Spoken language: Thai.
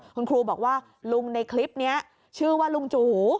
คุณครูบอกว่าลุงในคลิปนี้ชื่อว่าลุงจู